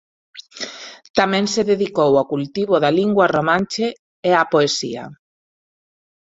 Tamén se dedicou ao cultivo da lingua romanche a á poesía.